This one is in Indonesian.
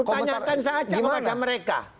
tanyakan saja kepada mereka